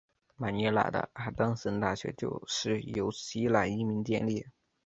马尼拉的阿当森大学就是由希腊移民建立。